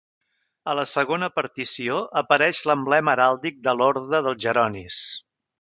A la segona partició, apareix l'emblema heràldic de l'orde dels Jeronis.